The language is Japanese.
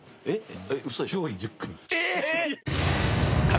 えっ？